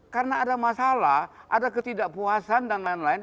karena ada masalah ada ketidakpuasan dan lain lain